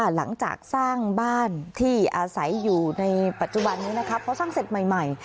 หลังจากสร้างบ้านที่อาศัยอยู่ในปัจจุบันนี้นะครับเขาสร้างเสร็จใหม่